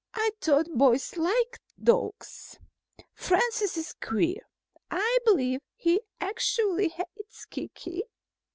I thought boys liked dogs. Francis is queer. I believe he actually hates Kiki."